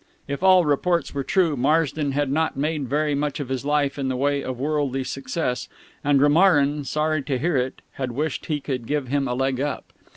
If all reports were true, Marsden had not made very much of his life in the way of worldly success, and Romarin, sorry to hear it, had wished he could give him a leg up.